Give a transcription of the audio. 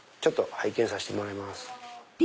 拝見させてもらいます。